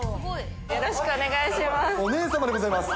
よろしくお願いします。